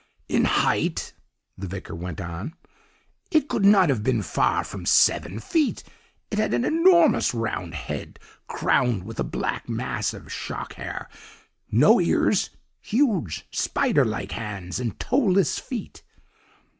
"'In height,' the vicar went on, 'it could not have been far from seven feet, it had an enormous round head crowned with a black mass of shock hair, no ears, huge spider like hands and toeless feet.